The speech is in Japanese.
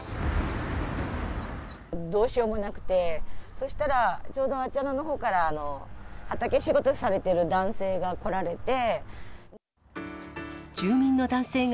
どうしようもなくて、そしたら、ちょうどあちらのほうから畑仕事されてる男性が来られて。